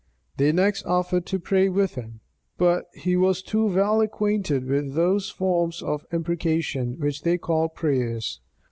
They next offered to pray with him; but he was too well acquainted with those forms of imprecation which they called prayers.